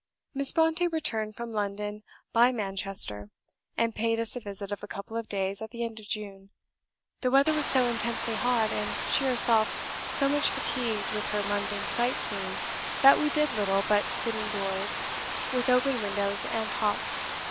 Miss Brontë returned from London by Manchester, and paid us a visit of a couple of days at the end of June. The weather was so intensely hot, and she herself so much fatigued with her London sight seeing, that we did little but sit in doors, with open windows, and talk.